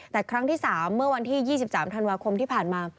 แต่ครั้งที่๓เมื่อวันที่๒๓ธันวาคมที่ผ่านมา